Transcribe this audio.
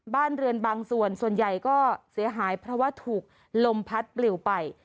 บ้านเรือนบางส่วนส่วนใหญ่ก็เสียหายเพราะว่าถูกลมพัดปลิวไป